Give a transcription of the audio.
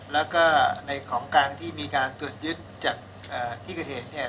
แล้วก็ในของกลางที่มีการตรวจยึดจากที่เกิดเหตุเนี่ย